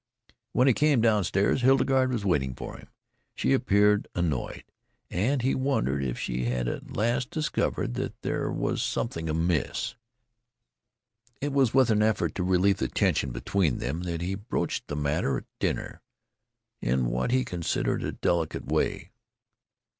When he came downstairs Hildegarde was waiting for him. She appeared annoyed, and he wondered if she had at last discovered that there was something amiss. It was with an effort to relieve the tension between them that he broached the matter at dinner in what he considered a delicate way.